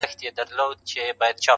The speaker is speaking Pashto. دی پر نیکه ګران خو د انا بد ایسې